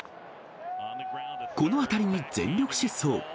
この当たりに全力疾走。